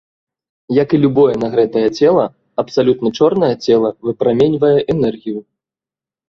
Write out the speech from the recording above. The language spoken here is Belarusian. Як і любое нагрэтае цела, абсалютна чорнае цела выпраменьвае энергію.